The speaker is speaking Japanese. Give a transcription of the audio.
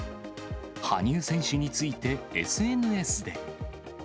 羽生選手について、ＳＮＳで。